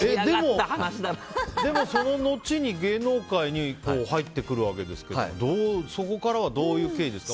でも、そののちに芸能界に入ってくるわけですけどそこからはどういう経緯ですか？